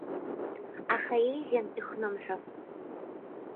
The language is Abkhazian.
Аха еиӷьын ихнымҳәыр.